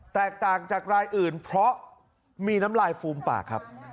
แตกต่างจากรายอื่นเพราะมีน้ำลายฟูมปากครับ